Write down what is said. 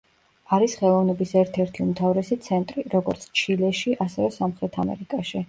არის ხელოვნების ერთ-ერთი უმთავრესი ცენტრი, როგორც ჩილეში ასევე სამხრეთ ამერიკაში.